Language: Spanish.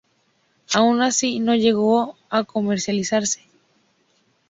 Aun así, no llegó a comercializarse.